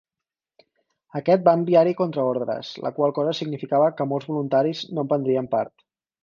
Aquest va enviar-hi contraordres, la qual cosa significava que molts Voluntaris no en prendrien part.